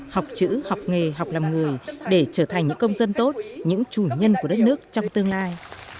học chữ học nghề học làm người để trở thành những công dân tốt những chủ nhân của đất nước trong tương lai